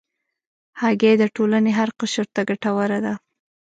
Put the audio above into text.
هګۍ د ټولنې هر قشر ته ګټوره ده.